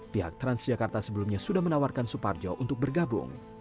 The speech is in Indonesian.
pihak transjakarta sebelumnya sudah menawarkan suparjo untuk bergabung